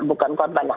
bukan korban lah